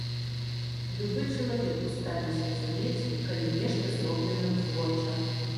Любы чалавек у стане зразумець, калі нешта зроблена творча.